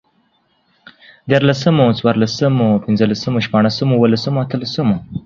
ديارلسمو، څوارلسمو، پنځلسمو، شپاړسمو، اوولسمو، اتلسمو